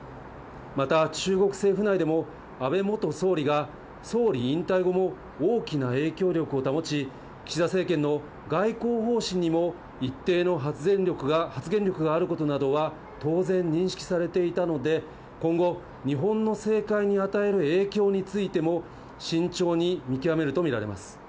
また、中国政府内でも、安倍元総理が総理引退後も大きな影響力を保ち、岸田政権の外交方針にも一定の発言力があることなどは当然認識されていたので、今後、日本の政界に与える影響についても、慎重に見極めると見られます。